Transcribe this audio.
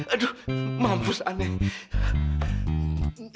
aduh mampus aneh